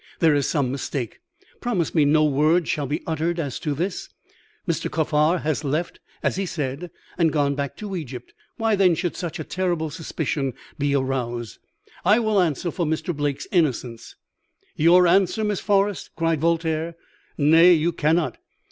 There is some mistake. Promise me no word shall be uttered as to this. Mr. Kaffar has left, as he said, and gone back to Egypt. Why, then, should such a terrible suspicion be aroused? I will answer for Mr. Blake's innocence.' "'You answer, Miss Forrest?' cried Voltaire. 'Nay, you cannot.